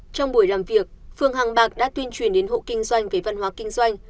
trong buổi làm việc phường hàng bạc đã tuyên truyền đến hộ kinh doanh về văn hóa kinh doanh